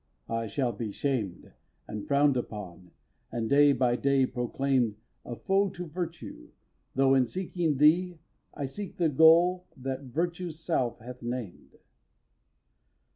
I shall be shamed, And frown'd upon, and day by day proclaim'd A foe to virtue, though, in seeking thee I seek the goal that Virtue's self hath named.